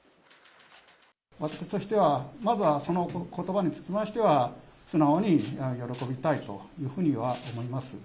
私としては、まずはそのことばにつきましては、素直に喜びたいというふうには思います。